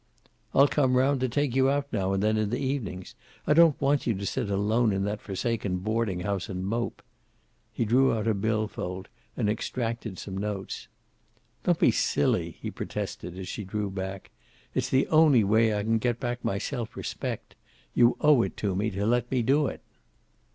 "I'll come round to take you out now and then, in the evenings. I don't want you to sit alone in that forsaken boarding house and mope." He drew out a bill fold, and extracted some notes. "Don't be silly," he protested, as she drew back. "It's the only way I can get back my self respect. You owe it to me to let me do it."